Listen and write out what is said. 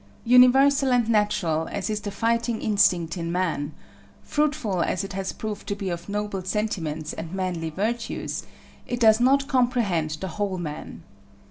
Universal and natural as is the fighting instinct in man, fruitful as it has proved to be of noble sentiments and manly virtues, it does not comprehend the whole man.